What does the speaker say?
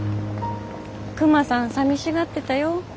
クマさんさみしがってたよ。